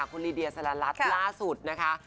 คุณลีเดียสารรัฐล่าสุดนะคะ